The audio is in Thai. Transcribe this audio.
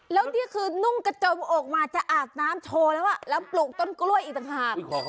แล้วนี่คือนุ่งกระจมอกมาจะอาบน้ำโชว์แล้วแล้วปลูกต้นกล้วยอีกต่างหาก